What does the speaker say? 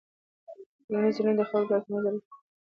ټولنیزې رسنۍ د خلکو ترمنځ اړیکې پیاوړې کوي.